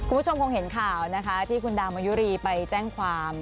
คุณผู้ชมคงเห็นข่าวนะคะที่คุณดาวมายุรีไปแจ้งความ